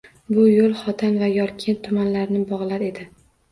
Bu yoʻl Xotan va Yorkent tumanlarini bogʻlar edi.